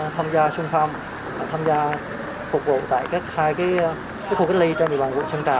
tham gia phục vụ tại các hai cái khu cách ly trên địa bàn quận trần tà và quận trần